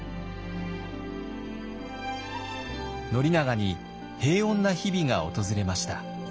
宣長に平穏な日々が訪れました。